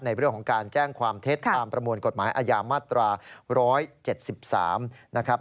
ในเรื่องของการแจ้งความเท็จตามประมวลกฎหมายอาญามาตรา๑๗๓นะครับ